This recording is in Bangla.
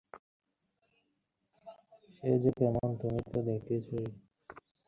অখিলকে যখন ঠেলে নিয়ে অতীন চলেছে এলা বললে, আমিও যাই তোমার সঙ্গে অন্তু।